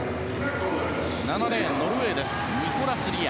７レーン、ノルウェーニコラス・リア。